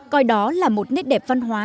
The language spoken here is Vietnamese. coi đó là một nét đẹp văn hóa